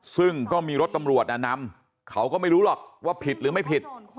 ซึ่งก็มีรถตำรวจนำเขาก็ไม่รู้หรอกว่าผิดหรือไม่ผิด